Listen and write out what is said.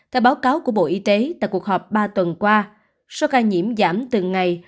theo báo cáo của bộ y tế tại cuộc họp ba tuần qua số ca nhiễm giảm từng ngày